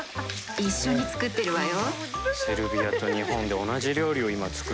一緒に作っているわよ。